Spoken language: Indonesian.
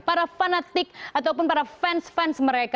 para fanatik ataupun para fans fans mereka